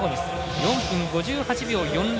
４分５８秒４０。